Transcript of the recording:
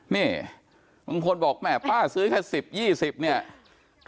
นี่มันควรบอกแม่ป้าซื้อแค่๑๐๒๐บาท